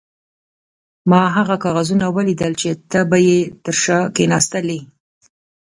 ما هغه کاغذونه ولیدل چې ته به یې تر شا کښېناستلې.